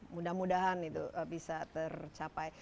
mudah mudahan itu bisa tercapai